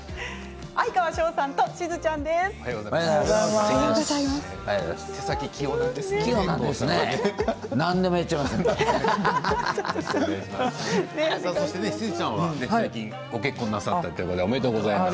哀川翔さんとしずちゃんさんです。